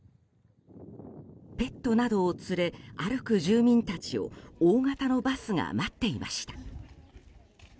ペットなどを連れ歩く住民たちを大型のバスが待っていました。